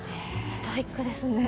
ストイックですね。